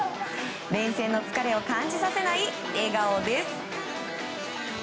連戦の疲れを感じさせない笑顔です。